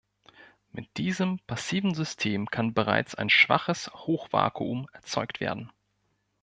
Mit diesem passiven System kann bereits ein schwaches Hochvakuum erzeugt werden.